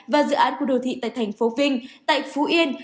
và dự án khu đô thị tại tp vinh tại phú yên